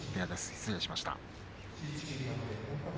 失礼しました。